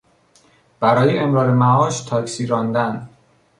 برای امرار معاش تاکسی راندن